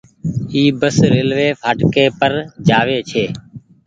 اي بس ريلوي ڦآٽڪي پر جآوي ڇي۔